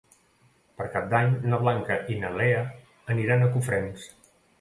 Per Cap d'Any na Blanca i na Lea aniran a Cofrents.